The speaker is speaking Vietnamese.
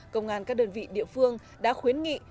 công an các đơn vị địa phương đã khuyến nghị